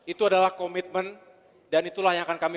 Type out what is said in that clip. itu adalah komitmen dan itulah yang akan kami